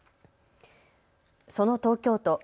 その東京都。